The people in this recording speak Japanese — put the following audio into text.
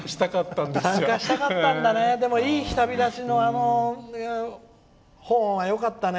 でも「いい日旅立ち」のあのホーンはよかったね。